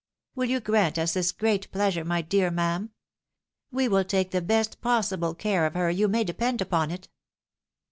Win you grant us this great pleasure, my dear ma'am ? We will take the best possible care of her, you may depend upon it."